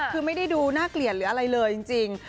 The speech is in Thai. คือไม่ได้ดูน่าเกลียดหรืออะไรเลยจริง